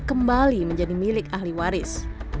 kembali menjadi milik ahli waris